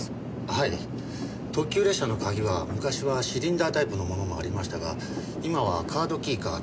はい特急列車の鍵は昔はシリンダータイプのものもありましたが今はカードキーかテンキータイプ。